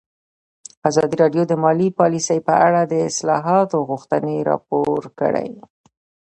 ازادي راډیو د مالي پالیسي په اړه د اصلاحاتو غوښتنې راپور کړې.